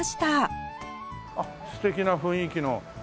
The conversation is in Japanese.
あっ素敵な雰囲気の。